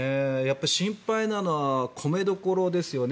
心配なのは米どころですよね。